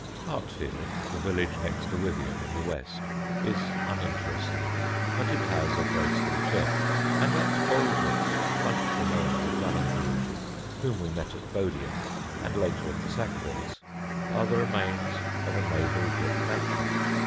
_] Hartfield, the village next to Withyham in the west, is uninteresting; but it has a graceful church, and at Bolebroke, once the home of the Dalyngruges, whom we met at Bodiam, and later of the Sackvilles, are the remains of a noble brick mansion.